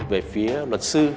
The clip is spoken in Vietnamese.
về phía luật sư